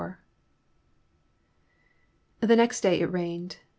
*' IV. THE next day it rained.